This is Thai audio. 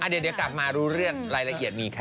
เดี๋ยวกลับมารู้เรื่องรายละเอียดมีค่ะ